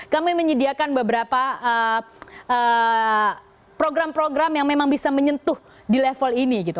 kami menyediakan beberapa program program yang memang bisa menyentuh di level ini gitu